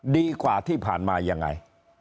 ดีกว่าที่ผ่านมายังไง